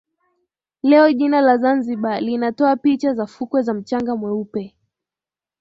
Leo jina la Zanzibar linatoa picha za fukwe za mchanga mweupe